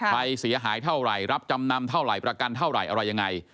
เสียหายเท่าไหร่รับจำนำเท่าไหร่ประกันเท่าไหร่อะไรยังไง